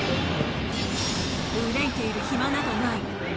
うめいている暇などない。